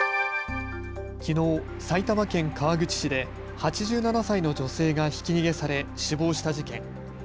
きのう埼玉県川口市で８７歳の女性がひき逃げされ死亡した事件。